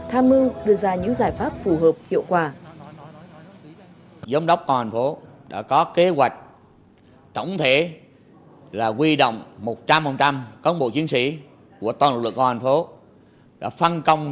tham mưu đưa ra những giải pháp phù hợp hiệu quả